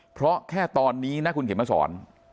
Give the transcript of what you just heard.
เพราะแค่ตอนนี้นะคุณเข็มมาสอน